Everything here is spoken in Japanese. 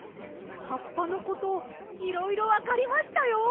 はっぱのこといろいろわかりましたよ。